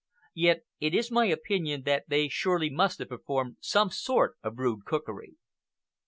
Yet it is my opinion that they surely must have performed some sort of rude cookery.